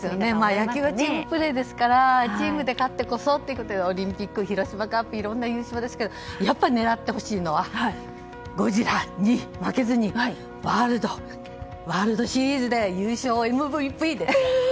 野球はチームプレーですからチームで勝ってこそというのでオリンピック、広島カープと。やっぱり狙ってほしいのはゴジラに負けずにワールドシリーズで優勝、ＭＶＰで。